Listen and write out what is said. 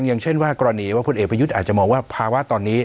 อย่างเช่นว่ากรณีว่าพลเอกประยุทธ์อาจจะมองว่าภาวะตอนนี้